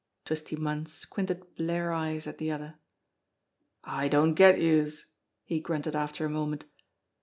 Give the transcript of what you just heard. Twisty Munn squinted blear eyes at the other. "I don't get youse!" he grunted after a moment.